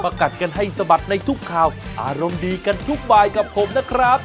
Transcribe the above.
กัดกันให้สะบัดในทุกข่าวอารมณ์ดีกันทุกบายกับผมนะครับ